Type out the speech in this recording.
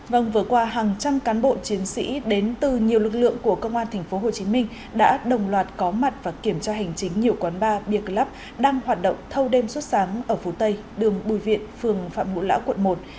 vâng vừa qua hàng trăm cán bộ chiến sĩ đến từ nhiều lực lượng của công an tp hcm đã đồng loạt có mặt và kiểm tra hành chính nhiều quán bar bia club đang hoạt động thâu đêm suốt sáng ở phố tây đường bùi viện phường phạm ngũ lão quận một